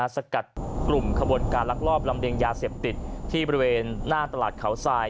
สกัดกลุ่มขบวนการลักลอบลำเลียงยาเสพติดที่บริเวณหน้าตลาดเขาทราย